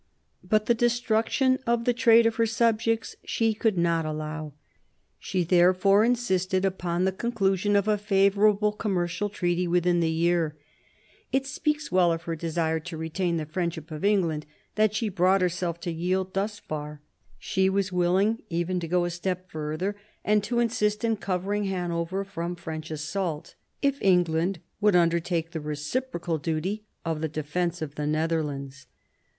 But the destruction of the trade of her subjects she could not allow. She therefore insisted upon the conclusion of a favourable commercial treaty within the year. It speaks well for her desire to retain the friendship of England that she brought herself to yield thus far. She was willing even to go a step further, and to assist in covering Hanover from French assault, if England would undertake the reciprocal duty of the defence of the Netherlands.